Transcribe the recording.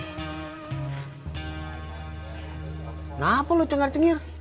kenapa lo cengar cengir